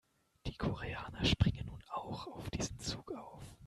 Die Koreaner springen nun auch auf diesen Zug auf.